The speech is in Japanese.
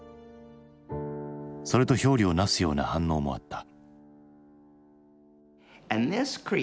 それと表裏をなすような反応もあった。